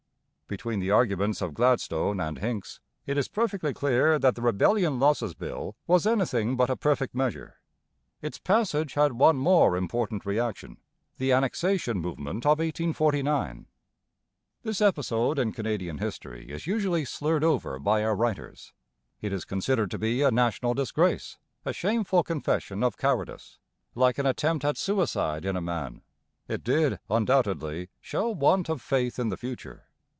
Between the arguments of Gladstone and Hincks it is perfectly clear that the Rebellion Losses Bill was anything but a perfect measure. Its passage had one more important reaction, the Annexation movement of 1849. This episode in Canadian history is usually slurred over by our writers. It is considered to be a national disgrace, a shameful confession of cowardice, like an attempt at suicide in a man. It did undoubtedly show want of faith in the future.